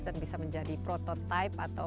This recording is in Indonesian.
dan bisa menjadi prototipe atau